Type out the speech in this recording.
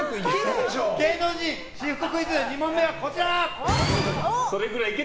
芸能人私服クイズ２問目はこちら。